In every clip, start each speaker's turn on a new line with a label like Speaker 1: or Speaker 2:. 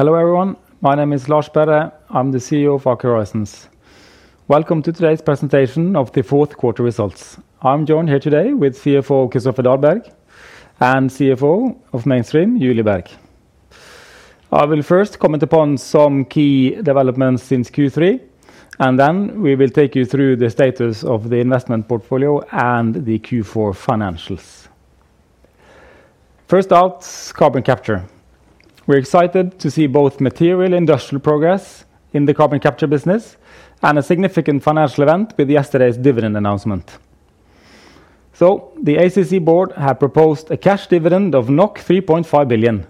Speaker 1: Hello everyone, my name is Lars Sperre, I'm the CEO of Aker Horizons. Welcome to today's presentation of the fourth quarter results. I'm joined here today with CFO Kristoffer Dahlberg and CFO of Mainstream, Julie Berg. I will first comment upon some key developments since Q3, and then we will take you through the status of the investment portfolio and the Q4 financials. First out, carbon capture. We're excited to see both material industrial progress in the carbon capture business and a significant financial event with yesterday's dividend announcement. The ACC board has proposed a cash dividend of 3.5 billion.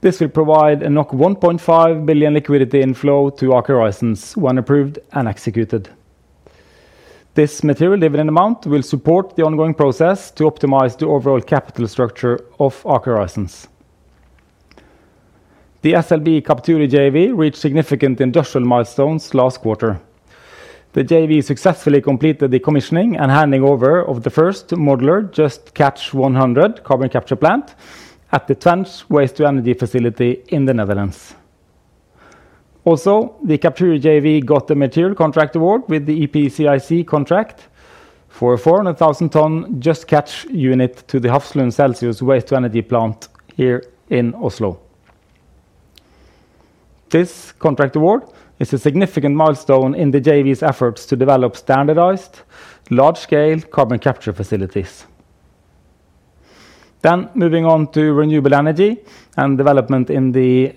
Speaker 1: This will provide a 1.5 billion liquidity inflow to Aker Horizons when approved and executed. This material dividend amount will support the ongoing process to optimize the overall capital structure of Aker Horizons. The SLB Capture JV reached significant industrial milestones last quarter. The JV successfully completed the commissioning and handing over of the first modular Just Catch 100 carbon capture plant at the Twence waste-to-energy facility in the Netherlands. Also, the Capture JV got the material contract award with the EPCIC contract for a 400,000 ton Just Catch Unit to the Hafslund Celsio waste-to-energy plant here in Oslo. This contract award is a significant milestone in the JV's efforts to develop standardized, large-scale carbon capture facilities. Moving on to renewable energy and development in the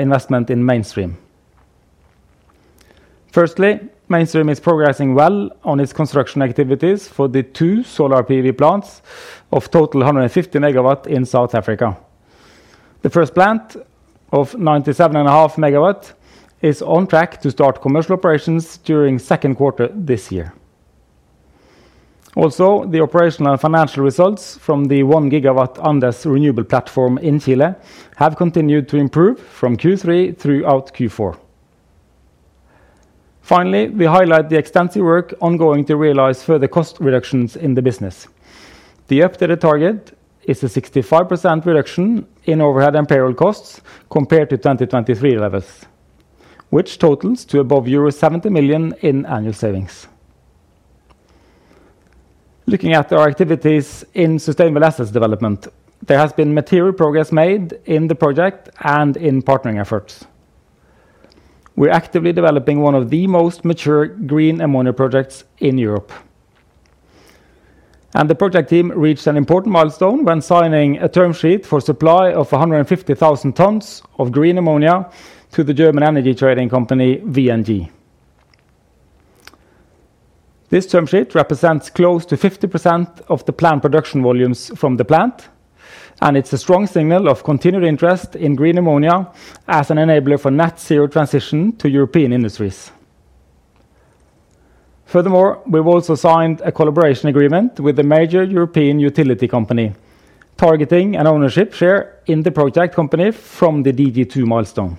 Speaker 1: investment in Mainstream. Firstly, Mainstream is progressing well on its construction activities for the two solar PV plants of total 150 MW in South Africa. The first plant, of 97.5 MW, is on track to start commercial operations during the second quarter this year. Also, the operational and financial results from the 1 GW Andes Renovables Platform in Chile have continued to improve from Q3 throughout Q4. Finally, we highlight the extensive work ongoing to realize further cost reductions in the business. The updated target is a 65% reduction in overhead and payroll costs compared to 2023 levels, which totals to above euro 70 million in annual savings. Looking at our activities in sustainable assets development, there has been material progress made in the project and in partnering efforts. We are actively developing one of the most mature green ammonia projects in Europe. The project team reached an important milestone when signing a term sheet for supply of 150,000 tons of green ammonia to the German energy trading company VNG. This term sheet represents close to 50% of the planned production volumes from the plant, and it's a strong signal of continued interest in green ammonia as an enabler for net zero transition to European industries. Furthermore, we've also signed a collaboration agreement with a major European utility company, targeting an ownership share in the project company from the DG2 milestone.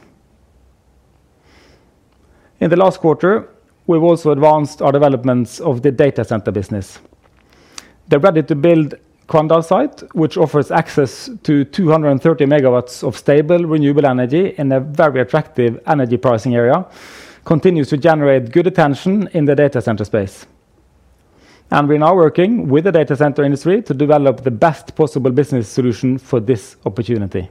Speaker 1: In the last quarter, we've also advanced our developments of the data center business. The ready-to-build Kvandal site, which offers access to 230 MW of stable renewable energy in a very attractive energy pricing area, continues to generate good attention in the data center space. We're now working with the data center industry to develop the best possible business solution for this opportunity.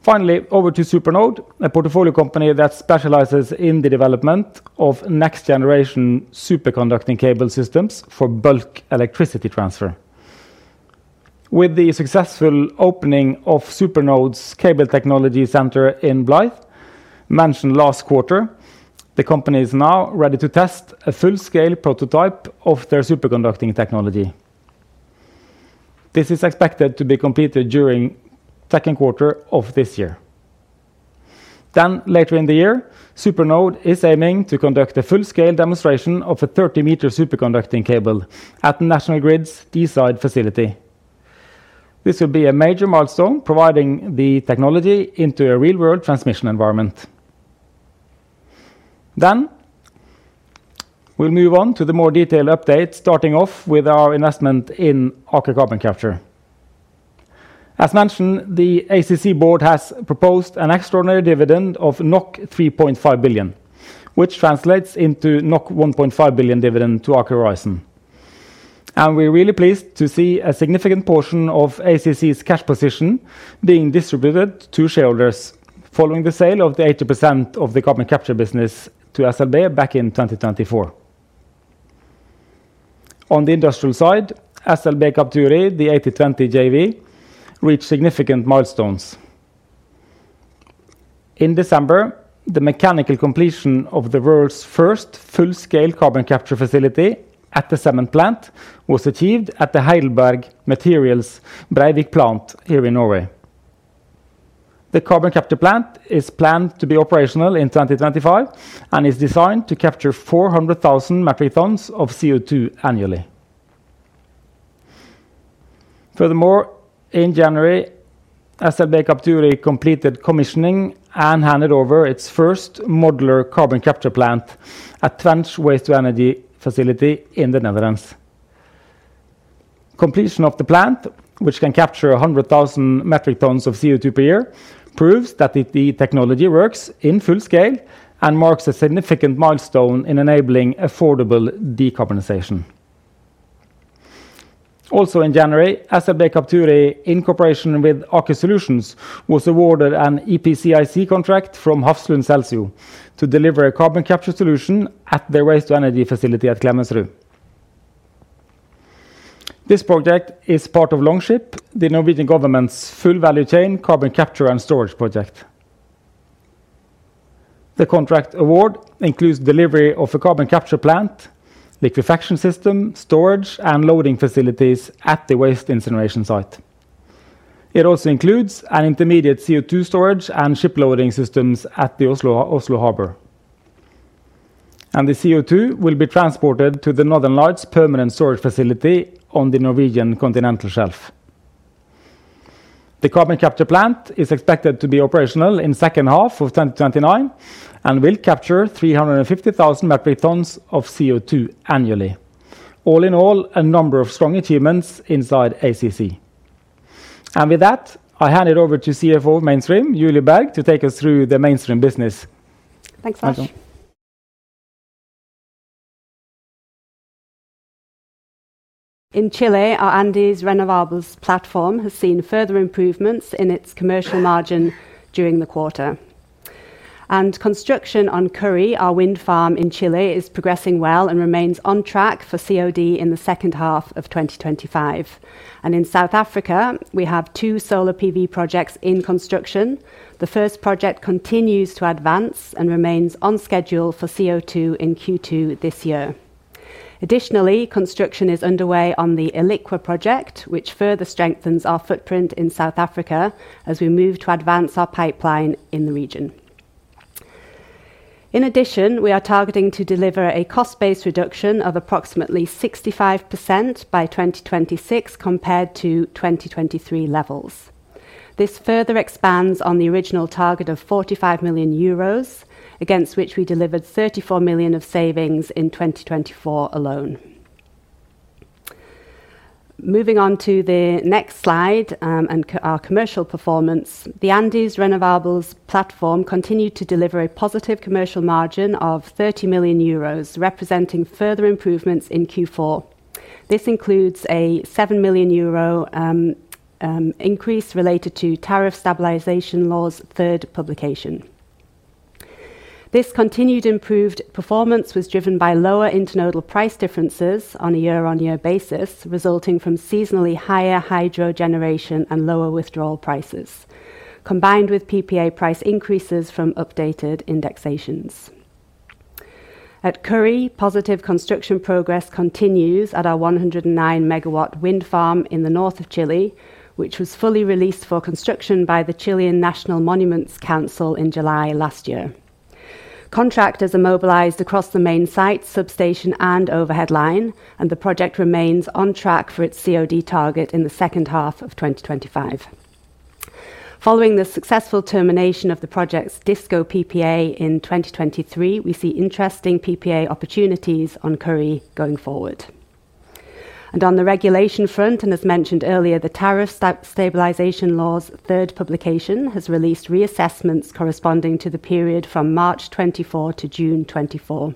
Speaker 1: Finally, over to SuperNode, a portfolio company that specializes in the development of next-generation superconducting cable systems for bulk electricity transfer. With the successful opening of SuperNode's cable technology center in Blyth, mentioned last quarter, the company is now ready to test a full-scale prototype of their superconducting technology. This is expected to be completed during the second quarter of this year. Later in the year, SuperNode is aiming to conduct a full-scale demonstration of a 30-meter superconducting cable at National Grid's Deeside facility. This will be a major milestone, providing the technology into a real-world transmission environment. We will move on to the more detailed update, starting off with our investment in Aker Carbon Capture. As mentioned, the ACC board has proposed an extraordinary dividend of 3.5 billion, which translates into 1.5 billion dividend to Aker Horizons. We are really pleased to see a significant portion of ACC's cash position being distributed to shareholders following the sale of the 80% of the carbon capture business to SLB back in 2024. On the industrial side, SLB Capturi, the 80-20 JV, reached significant milestones. In December, the mechanical completion of the world's first full-scale carbon capture facility at the cement plant was achieved at the Heidelberg Materials Breivik plant here in Norway. The carbon capture plant is planned to be operational in 2025 and is designed to capture 400,000 metric tons of CO2 annually. Furthermore, in January, SLB Capturi completed commissioning and handed over its first modular carbon capture plant at Twence waste-to-energy facility in the Netherlands. Completion of the plant, which can capture 100,000 metric tons of CO2 per year, proves that the technology works in full scale and marks a significant milestone in enabling affordable decarbonization. Also, in January, SLB Capture, in cooperation with Aker Solutions, was awarded an EPCIC contract from Hafslund Celsio to deliver a carbon capture solution at their waste-to-energy facility at Klemetsrud. This project is part of Longship, the Norwegian government's full-value chain carbon capture and storage project. The contract award includes delivery of a carbon capture plant, liquefaction system, storage, and loading facilities at the waste incineration site. It also includes an intermediate CO2 storage and ship loading systems at the Oslo Harbor. The CO2 will be transported to the Northern Lights permanent storage facility on the Norwegian continental shelf. The carbon capture plant is expected to be operational in the second half of 2029 and will capture 350,000 metric tons of CO2 annually. All in all, a number of strong achievements inside ACC. With that, I hand it over to CFO of Mainstream, Julie Berg, to take us through the Mainstream business.
Speaker 2: Thanks so much. In Chile, our Andes Renewables platform has seen further improvements in its commercial margin during the quarter. Construction on Ckhúri, our wind farm in Chile, is progressing well and remains on track for COD in the second half of 2025. In South Africa, we have two solar PV projects in construction. The first project continues to advance and remains on schedule for COD in Q2 this year. Additionally, construction is underway on the Eloqua project, which further strengthens our footprint in South Africa as we move to advance our pipeline in the region. In addition, we are targeting to deliver a cost-based reduction of approximately 65% by 2026 compared to 2023 levels. This further expands on the original target of 45 million euros against which we delivered 34 million of savings in 2024 alone. Moving on to the next slide and our commercial performance, the Andes Renewables platform continued to deliver a positive commercial margin of 30 million euros, representing further improvements in Q4. This includes a 7 million euro increase related to tariff stabilization laws' third publication. This continued improved performance was driven by lower internodal price differences on a year-on-year basis, resulting from seasonally higher hydro generation and lower withdrawal prices, combined with PPA price increases from updated indexations. At Ckhúri, positive construction progress continues at our 109 MW wind farm in the north of Chile, which was fully released for construction by the Chilean National Monuments Council in July last year. Contractors are mobilized across the main site, substation, and overhead line, and the project remains on track for its COD target in the second half of 2025. Following the successful termination of the project's disco PPA in 2023, we see interesting PPA opportunities on Ckhúri going forward. On the regulation front, and as mentioned earlier, the tariff stabilization laws' third publication has released reassessments corresponding to the period from March 2024 to June 2024.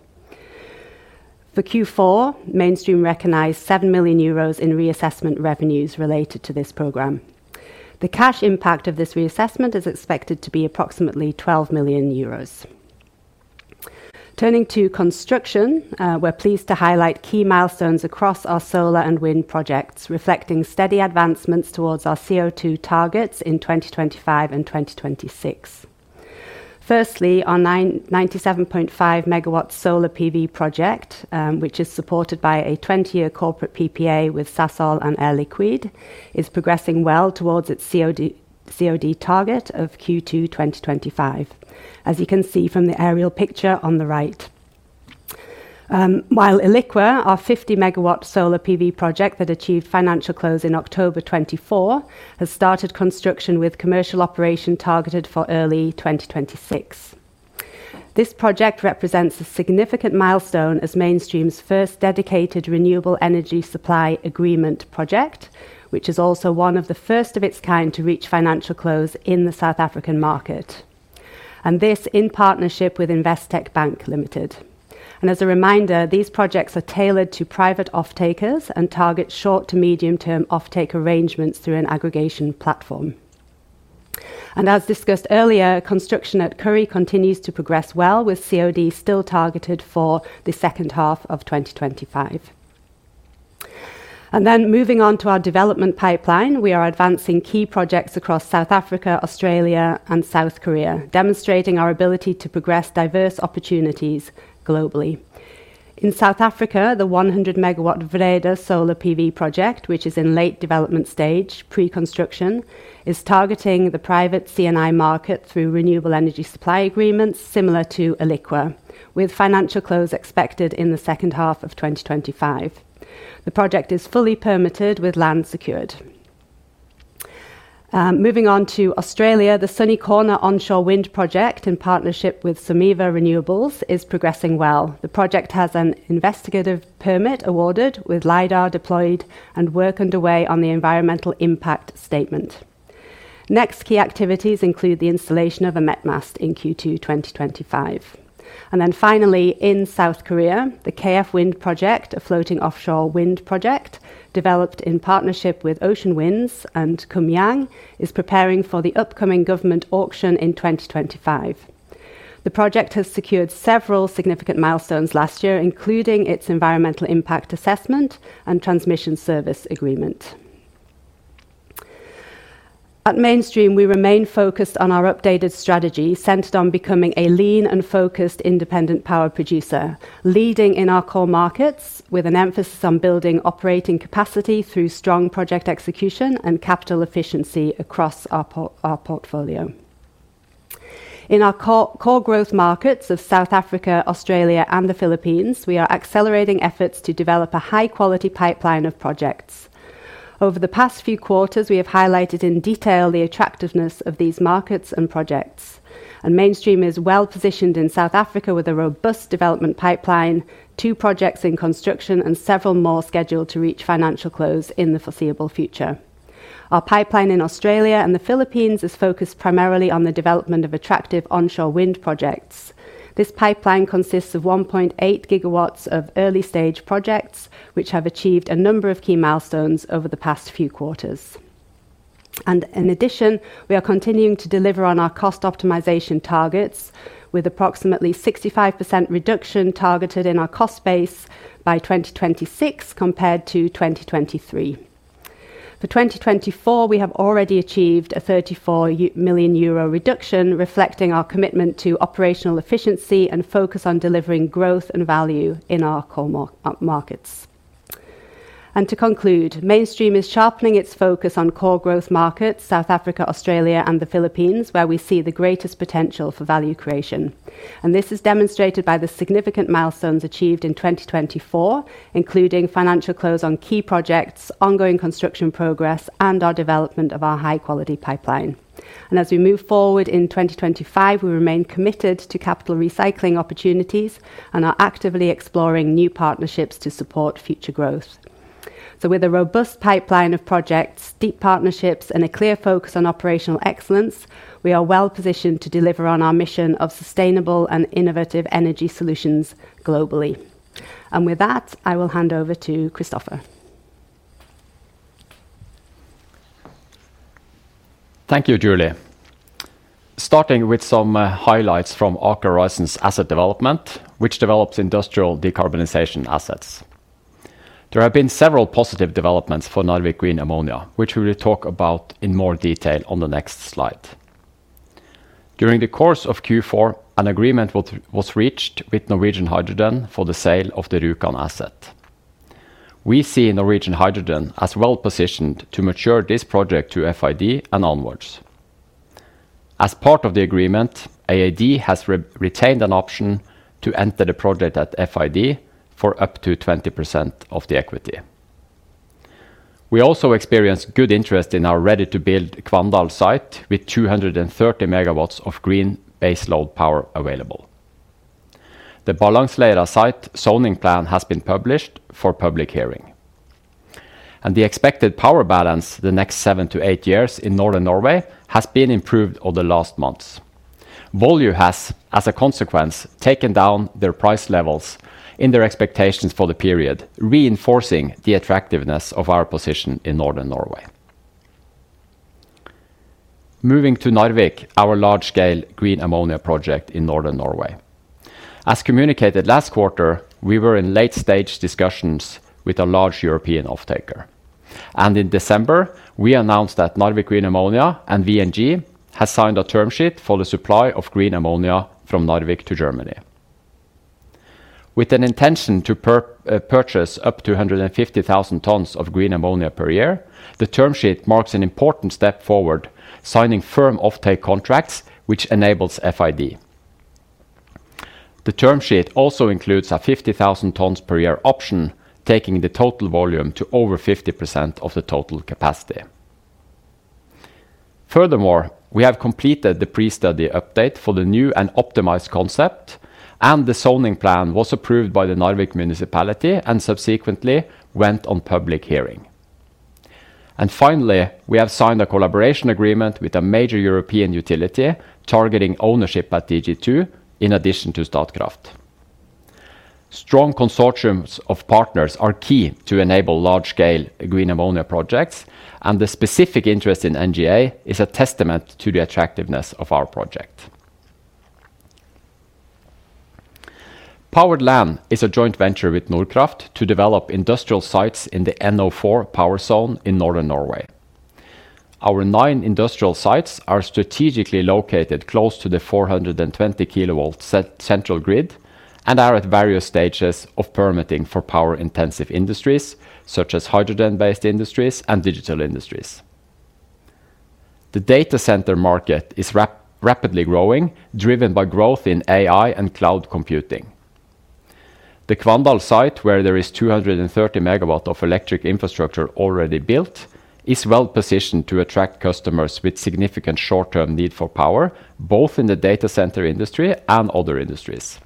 Speaker 2: For Q4, Mainstream recognized 7 million euros in reassessment revenues related to this program. The cash impact of this reassessment is expected to be approximately 12 million euros. Turning to construction, we're pleased to highlight key milestones across our solar and wind projects, reflecting steady advancements towards our CO2 targets in 2025 and 2026. Firstly, our 97.5 MW solar PV project, which is supported by a 20-year corporate PPA with SASOL and Air Liquide, is progressing well towards its COD target of Q2 2025, as you can see from the aerial picture on the right. While Eloqua, our 50 MW solar PV project that achieved financial close in October 2024, has started construction with commercial operation targeted for early 2026. This project represents a significant milestone as Mainstream's first dedicated renewable energy supply agreement project, which is also one of the first of its kind to reach financial close in the South African market. This is in partnership with Investec Bank Limited. As a reminder, these projects are tailored to private off-takers and target short- to medium-term off-take arrangements through an aggregation platform. As discussed earlier, construction at Ckhúri continues to progress well, with COD still targeted for the second half of 2025. Moving on to our development pipeline, we are advancing key projects across South Africa, Australia, and South Korea, demonstrating our ability to progress diverse opportunities globally. In South Africa, the 100 MW BREDA solar PV project, which is in late development stage, pre-construction, is targeting the private CNI market through renewable energy supply agreements similar to Eloqua, with financial close expected in the second half of 2025. The project is fully permitted with land secured. Moving on to Australia, the Sunny Corner Onshore Wind project in partnership with Sumitomo Renewables is progressing well. The project has an investigative permit awarded, with LiDAR deployed and work underway on the environmental impact statement. Next key activities include the installation of a met mast in Q2 2025. Finally, in South Korea, the KF Wind project, a floating offshore wind project developed in partnership with Ocean Winds and Kumyang, is preparing for the upcoming government auction in 2025. The project has secured several significant milestones last year, including its environmental impact assessment and transmission service agreement. At Mainstream, we remain focused on our updated strategy centered on becoming a lean and focused independent power producer, leading in our core markets with an emphasis on building operating capacity through strong project execution and capital efficiency across our portfolio. In our core growth markets of South Africa, Australia, and the Philippines, we are accelerating efforts to develop a high-quality pipeline of projects. Over the past few quarters, we have highlighted in detail the attractiveness of these markets and projects. Mainstream is well positioned in South Africa with a robust development pipeline, two projects in construction, and several more scheduled to reach financial close in the foreseeable future. Our pipeline in Australia and the Philippines is focused primarily on the development of attractive onshore wind projects. This pipeline consists of 1.8 GW of early-stage projects, which have achieved a number of key milestones over the past few quarters. In addition, we are continuing to deliver on our cost optimization targets, with approximately 65% reduction targeted in our cost base by 2026 compared to 2023. For 2024, we have already achieved a 34 million euro reduction, reflecting our commitment to operational efficiency and focus on delivering growth and value in our core markets. To conclude, Mainstream is sharpening its focus on core growth markets, South Africa, Australia, and the Philippines, where we see the greatest potential for value creation. This is demonstrated by the significant milestones achieved in 2024, including financial close on key projects, ongoing construction progress, and our development of our high-quality pipeline. As we move forward in 2025, we remain committed to capital recycling opportunities and are actively exploring new partnerships to support future growth. With a robust pipeline of projects, deep partnerships, and a clear focus on operational excellence, we are well positioned to deliver on our mission of sustainable and innovative energy solutions globally. With that, I will hand over to Kristoffer.
Speaker 3: Thank you, Julie. Starting with some highlights from Aker Horizons Asset Development, which develops industrial decarbonization assets. There have been several positive developments for Narvik Green Ammonia, which we will talk about in more detail on the next slide. During the course of Q4, an agreement was reached with Norwegian Hydrogen for the sale of the Rjukan asset. We see Norwegian Hydrogen as well positioned to mature this project to FID and onwards. As part of the agreement, AID has retained an option to enter the project at FID for up to 20% of the equity. We also experience good interest in our ready-to-build Kvandal site, with 230 MW of green baseload power available. The Berlevåg site zoning plan has been published for public hearing. The expected power balance the next seven to eight years in northern Norway has been improved over the last months. Volue has, as a consequence, taken down their price levels in their expectations for the period, reinforcing the attractiveness of our position in northern Norway. Moving to Narvik, our large-scale green ammonia project in northern Norway. As communicated last quarter, we were in late-stage discussions with a large European off-taker. In December, we announced that Narvik Green Ammonia and VNG have signed a term sheet for the supply of green ammonia from Narvik to Germany. With an intention to purchase up to 150,000 tons of green ammonia per year, the term sheet marks an important step forward, signing firm off-take contracts, which enables FID. The term sheet also includes a 50,000 tons per year option, taking the total volume to over 50% of the total capacity. Furthermore, we have completed the pre-study update for the new and optimized concept, and the zoning plan was approved by the Narvik municipality and subsequently went on public hearing. Finally, we have signed a collaboration agreement with a major European utility targeting ownership at DG2, in addition to Statkraft. Strong consortiums of partners are key to enable large-scale green ammonia projects, and the specific interest in NGA is a testament to the attractiveness of our project. Powered Land is a joint venture with Nordkraft to develop industrial sites in the NO4 power zone in northern Norway. Our nine industrial sites are strategically located close to the 420 kilovolt central grid and are at various stages of permitting for power-intensive industries, such as hydrogen-based industries and digital industries. The data center market is rapidly growing, driven by growth in AI and cloud computing. The Kvandal site, where there is 230 MW of electric infrastructure already built, is well positioned to attract customers with significant short-term need for power, both in the data center industry and other industries.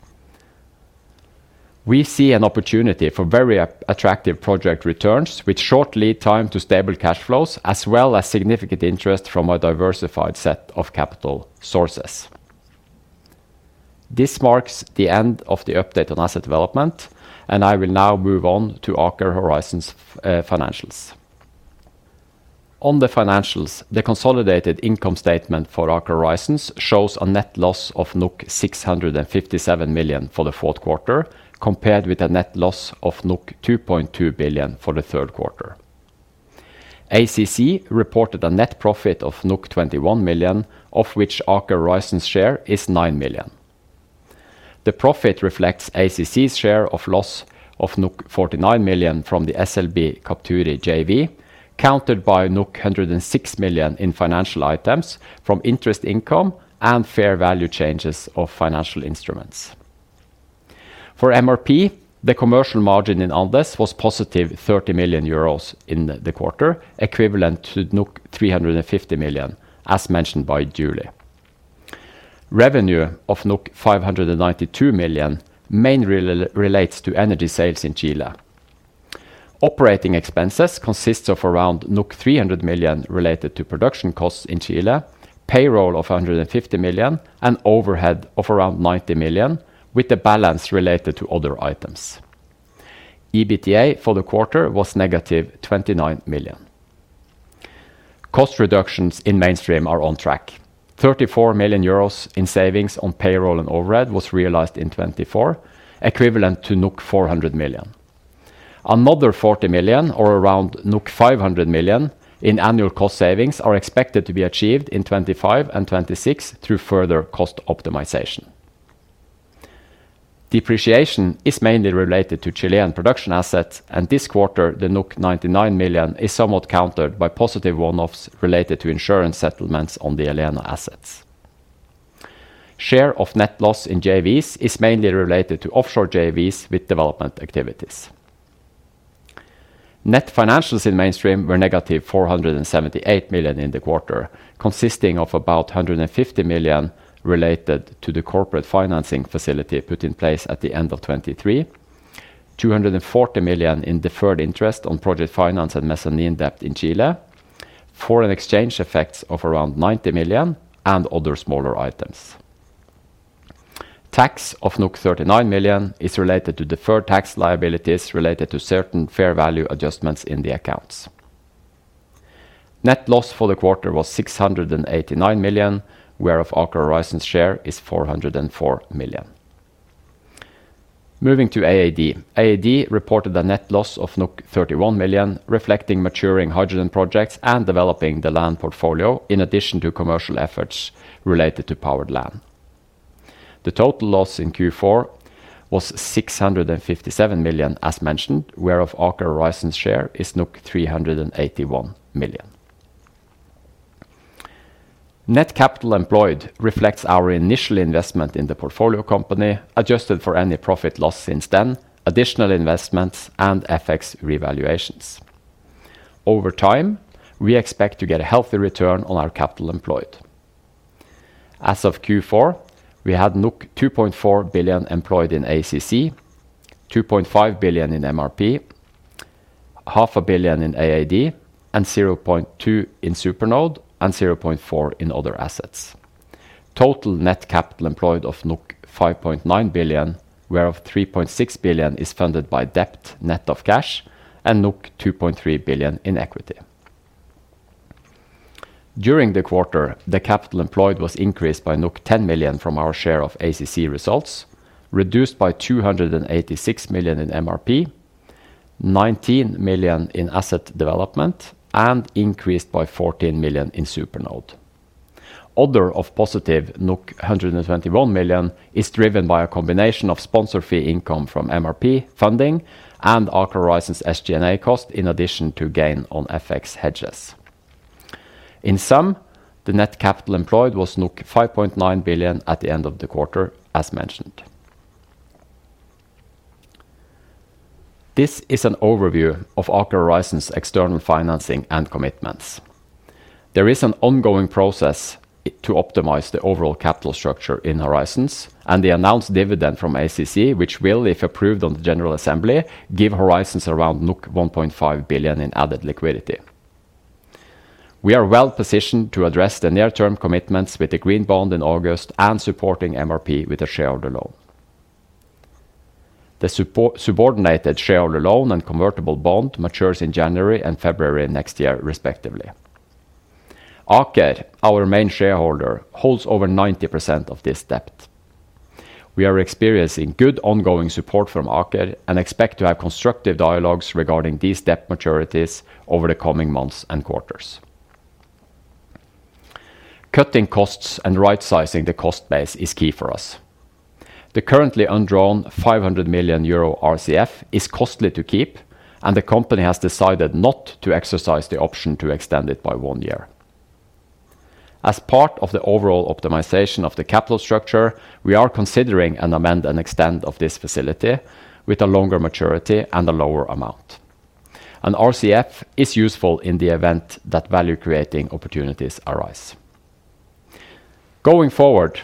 Speaker 3: We see an opportunity for very attractive project returns with short lead time to stable cash flows, as well as significant interest from a diversified set of capital sources. This marks the end of the update on asset development, and I will now move on to Aker Horizons financials. On the financials, the consolidated income statement for Aker Horizons shows a net loss of 657 million for the fourth quarter, compared with a net loss of 2.2 billion for the third quarter. ACC reported a net profit of 21 million, of which Aker Horizons' share is 9 million. The profit reflects ACC's share of loss of 49 million from the SLB Capturi JV, countered by 106 million in financial items from interest income and fair value changes of financial instruments. For MRP, the commercial margin in Andes was positive 30 million euros in the quarter, equivalent to 350 million, as mentioned by Julie. Revenue of 592 million mainly relates to energy sales in Chile. Operating expenses consist of around 300 million related to production costs in Chile, payroll of 150 million, and overhead of around 90 million, with the balance related to other items. EBITDA for the quarter was negative 29 million. Cost reductions in Mainstream are on track. 34 million euros in savings on payroll and overhead was realized in 2024, equivalent to 400 million. Another 40 million, or around 500 million, in annual cost savings are expected to be achieved in 2025 and 2026 through further cost optimization. Depreciation is mainly related to Chilean production assets, and this quarter, the 99 million is somewhat countered by positive one-offs related to insurance settlements on the Elena assets. Share of net loss in JVs is mainly related to offshore JVs with development activities. Net financials in Mainstream were negative 478 million in the quarter, consisting of about 150 million related to the corporate financing facility put in place at the end of 2023, 240 million in deferred interest on project finance at mezzanine debt in Chile, foreign exchange effects of around 90 million, and other smaller items. Tax of 39 million is related to deferred tax liabilities related to certain fair value adjustments in the accounts. Net loss for the quarter was 689 million, whereof Aker Horizons' share is 404 million. Moving to AAD. AAD reported a net loss of 31 million, reflecting maturing hydrogen projects and developing the land portfolio, in addition to commercial efforts related to Powered Land. The total loss in Q4 was 657 million, as mentioned, whereof Aker Horizons' share is 381 million. Net capital employed reflects our initial investment in the portfolio company, adjusted for any profit lost since then, additional investments, and FX revaluations. Over time, we expect to get a healthy return on our capital employed. As of Q4, we had 2.4 billion employed in ACC, 2.5 billion in MRP, 500 million in AAD, 200 million in SuperNode, and 400 million in other assets. Total net capital employed of 5.9 billion, whereof 3.6 billion is funded by debt net of cash and 2.3 billion in equity. During the quarter, the capital employed was increased by 10 million from our share of ACC results, reduced by 286 million in MRP, 19 million in asset development, and increased by 14 million in SuperNode. Order of positive 121 million is driven by a combination of sponsor fee income from MRP funding and Aker Horizons SG&A cost, in addition to gain on FX hedges. In sum, the net capital employed was 5.9 billion at the end of the quarter, as mentioned. This is an overview of Aker Horizons' external financing and commitments. There is an ongoing process to optimize the overall capital structure in Horizons, and the announced dividend from ACC, which will, if approved on the General Assembly, give Horizons around 1.5 billion in added liquidity. We are well positioned to address the near-term commitments with the Green Bond in August and supporting MRP with a shareholder loan. The subordinated shareholder loan and convertible bond matures in January and February next year, respectively. Aker, our main shareholder, holds over 90% of this debt. We are experiencing good ongoing support from Aker and expect to have constructive dialogues regarding these debt maturities over the coming months and quarters. Cutting costs and right-sizing the cost base is key for us. The currently undrawn 500 million euro RCF is costly to keep, and the company has decided not to exercise the option to extend it by one year. As part of the overall optimization of the capital structure, we are considering an amend and extend of this facility with a longer maturity and a lower amount. An RCF is useful in the event that value-creating opportunities arise. Going forward,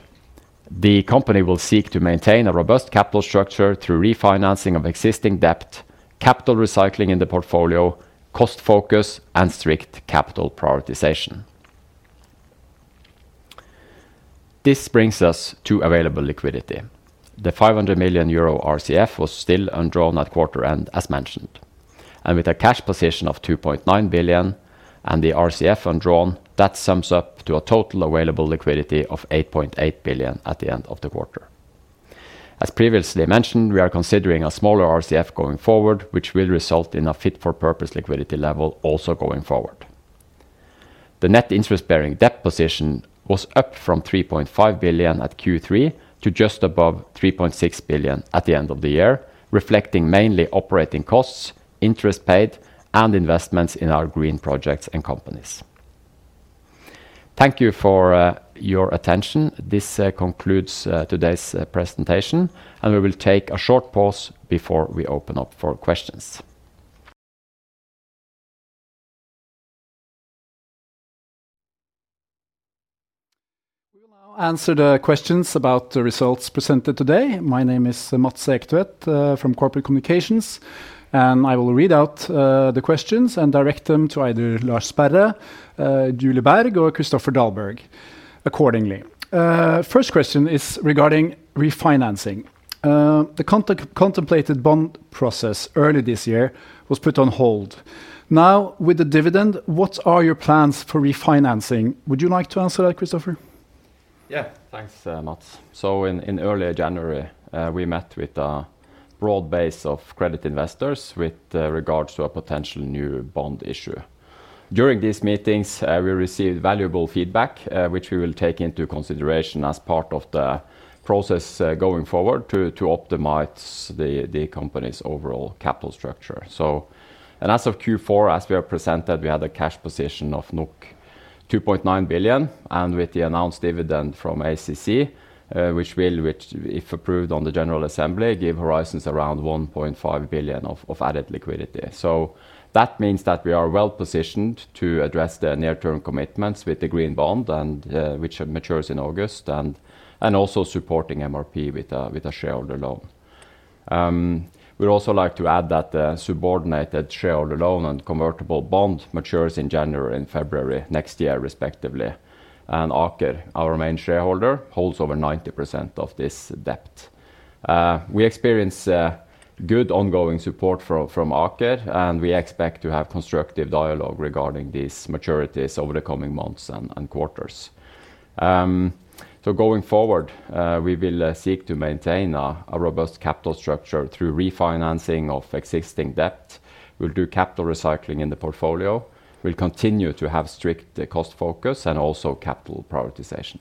Speaker 3: the company will seek to maintain a robust capital structure through refinancing of existing debt, capital recycling in the portfolio, cost focus, and strict capital prioritization. This brings us to available liquidity. The 500 million euro RCF was still undrawn at quarter end, as mentioned. With a cash position of 2.9 billion and the RCF undrawn, that sums up to a total available liquidity of 8.8 billion at the end of the quarter. As previously mentioned, we are considering a smaller RCF going forward, which will result in a fit-for-purpose liquidity level also going forward. The net interest-bearing debt position was up from 3.5 billion at Q3 to just above 3.6 billion at the end of the year, reflecting mainly operating costs, interest paid, and investments in our green projects and companies. Thank you for your attention. This concludes today's presentation, and we will take a short pause before we open up for questions.
Speaker 4: We will now answer the questions about the results presented today. My name is Mats Ektvedt from Corporate Communications, and I will read out the questions and direct them to either Lars Sperre, Julie Berg, or Kristoffer Dahlberg accordingly. First question is regarding refinancing. The contemplated bond process early this year was put on hold. Now, with the dividend, what are your plans for refinancing? Would you like to answer that, Kristoffer?
Speaker 3: Yeah, thanks, Mats. In early January, we met with a broad base of credit investors with regards to a potential new bond issue. During these meetings, we received valuable feedback, which we will take into consideration as part of the process going forward to optimize the company's overall capital structure. As of Q4, as we are presented, we had a cash position of 2.9 billion, and with the announced dividend from ACC, which will, if approved on the General Assembly, give Horizons around 1.5 billion of added liquidity. That means we are well positioned to address the near-term commitments with the Green Bond, which matures in August, and also supporting MRP with a shareholder loan. I'd also like to add that the subordinated shareholder loan and convertible bond matures in January and February next year, respectively. Aker, our main shareholder, holds over 90% of this debt. We experience good ongoing support from Aker, and we expect to have constructive dialogue regarding these maturities over the coming months and quarters. Going forward, we will seek to maintain a robust capital structure through refinancing of existing debt. We'll do capital recycling in the portfolio. We'll continue to have strict cost focus and also capital prioritization.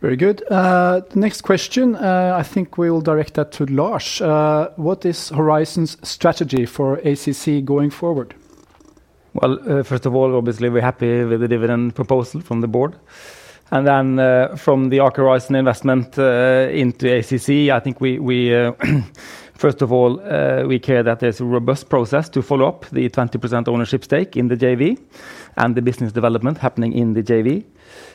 Speaker 4: Very good. The next question, I think we'll direct that to Lars. What is Horizons' strategy for ACC going forward?
Speaker 1: First of all, obviously, we're happy with the dividend proposal from the board. From the Aker Horizons investment into ACC, I think we, first of all, care that there's a robust process to follow up the 20% ownership stake in the JV and the business development happening in the JV.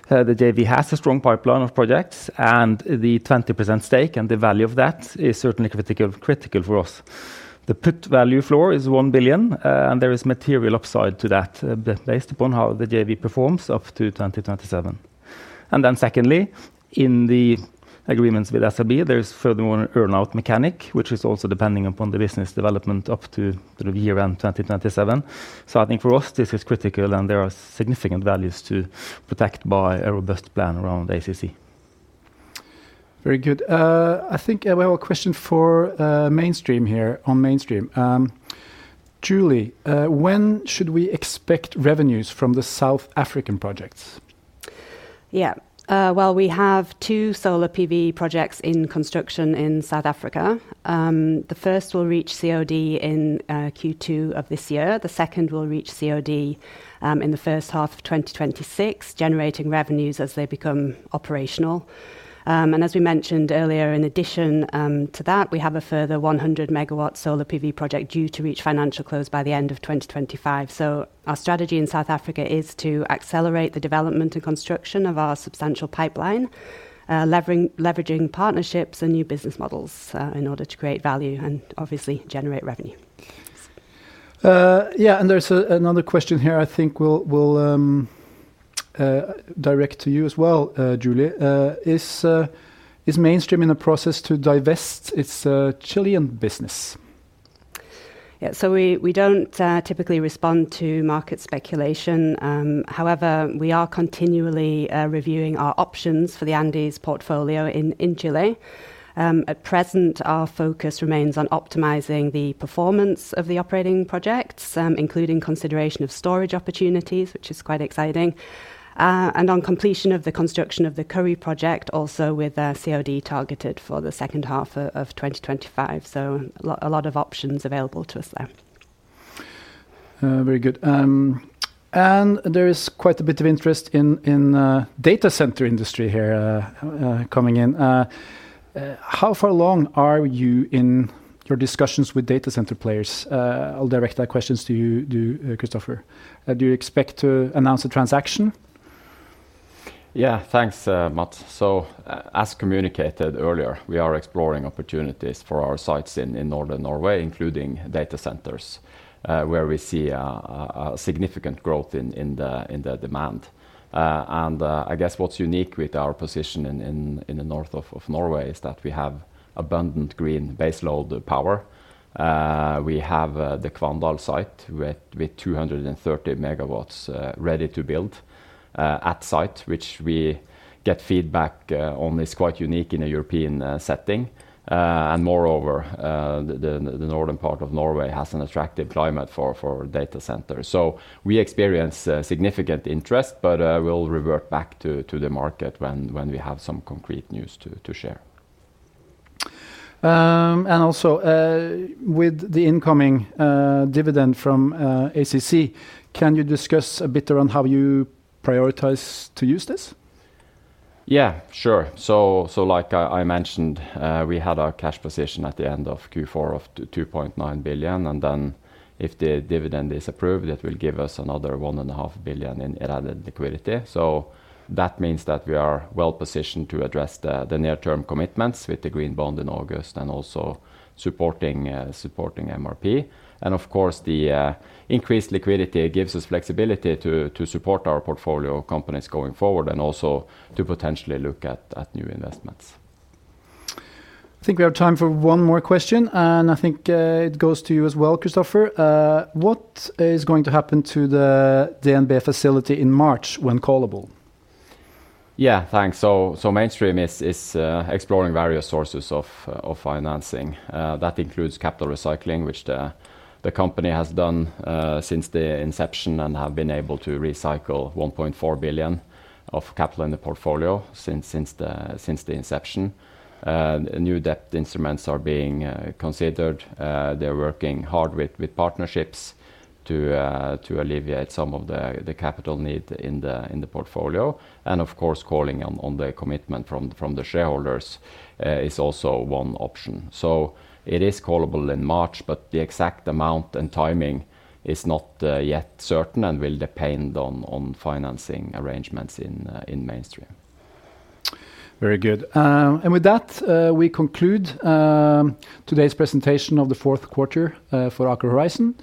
Speaker 1: The JV has a strong pipeline of projects, and the 20% stake and the value of that is certainly critical for us. The put value floor is 1 billion, and there is material upside to that based upon how the JV performs up to 2027. In the agreements with SLB, there is furthermore an earn-out mechanic, which is also depending upon the business development up to the year-end 2027. I think for us, this is critical, and there are significant values to protect by a robust plan around ACC.
Speaker 4: Very good. I think we have a question for Mainstream here on Mainstream. Julie, when should we expect revenues from the South African projects?
Speaker 2: Yeah, we have two solar PV projects in construction in South Africa. The first will reach COD in Q2 of this year. The second will reach COD in the first half of 2026, generating revenues as they become operational. As we mentioned earlier, in addition to that, we have a further 100 MW solar PV project due to reach financial close by the end of 2025. Our strategy in South Africa is to accelerate the development and construction of our substantial pipeline, leveraging partnerships and new business models in order to create value and obviously generate revenue.
Speaker 4: Yeah, and there's another question here I think we'll direct to you as well, Julie. Is Mainstream in the process to divest its Chilean business?
Speaker 2: Yeah, so we don't typically respond to market speculation. However, we are continually reviewing our options for the Andes portfolio in Chile. At present, our focus remains on optimizing the performance of the operating projects, including consideration of storage opportunities, which is quite exciting, and on completion of the construction of the Curry project, also with COD targeted for the second half of 2025. A lot of options available to us there.
Speaker 4: Very good. There is quite a bit of interest in the data center industry here coming in. How far along are you in your discussions with data center players? I will direct that question to you, Kristoffer. Do you expect to announce a transaction?
Speaker 3: Yeah, thanks, Mats. As communicated earlier, we are exploring opportunities for our sites in northern Norway, including data centers, where we see significant growth in the demand. I guess what's unique with our position in the north of Norway is that we have abundant green baseload power. We have the Kvandal site with 230 MW ready to build at site, which we get feedback on is quite unique in a European setting. Moreover, the northern part of Norway has an attractive climate for data centers. We experience significant interest, but we'll revert back to the market when we have some concrete news to share.
Speaker 4: Also, with the incoming dividend from ACC, can you discuss a bit around how you prioritize to use this?
Speaker 3: Yeah, sure. Like I mentioned, we had our cash position at the end of Q4 of 2.9 billion. If the dividend is approved, it will give us another 1.5 billion in added liquidity. That means we are well positioned to address the near-term commitments with the Green Bond in August and also supporting MRP. Of course, the increased liquidity gives us flexibility to support our portfolio companies going forward and also to potentially look at new investments.
Speaker 4: I think we have time for one more question, and I think it goes to you as well, Kristoffer. What is going to happen to the DNB facility in March when callable?
Speaker 3: Yeah, thanks. Mainstream is exploring various sources of financing. That includes capital recycling, which the company has done since the inception and have been able to recycle 1.4 billion of capital in the portfolio since the inception. New debt instruments are being considered. They're working hard with partnerships to alleviate some of the capital need in the portfolio. Of course, calling on the commitment from the shareholders is also one option. It is callable in March, but the exact amount and timing is not yet certain and will depend on financing arrangements in Mainstream.
Speaker 4: Very good. With that, we conclude today's presentation of the fourth quarter for Aker Horizons.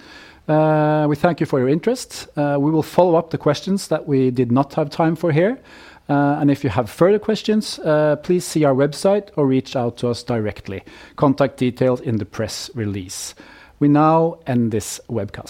Speaker 4: We thank you for your interest. We will follow up the questions that we did not have time for here. If you have further questions, please see our website or reach out to us directly. Contact details are in the press release. We now end this webcast.